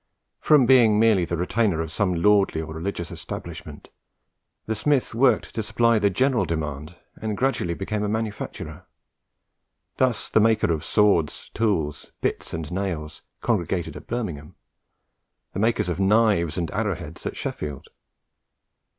From being merely the retainer of some lordly or religious establishment, the smith worked to supply the general demand, and gradually became a manufacturer. Thus the makers of swords, tools, bits, and nails, congregated at Birmingham; and the makers of knives and arrowheads at Sheffield.